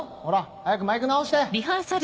早くマイク直して。